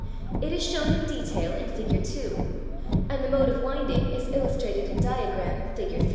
It is shown in detail in Fig, 2, and the mode of wind ing is illustrated in diagram (Fig.